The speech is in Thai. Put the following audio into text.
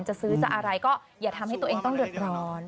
จะซื้อจะอะไรก็อย่าทำให้ตัวเองต้องเดือดร้อน